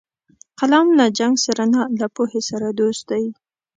قلم له جنګ سره نه، له پوهې سره دوست دی